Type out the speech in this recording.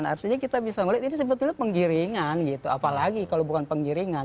artinya kita bisa melihat ini sebetulnya penggiringan gitu apalagi kalau bukan penggiringan